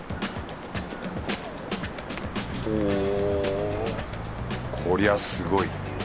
ほこりゃすごい。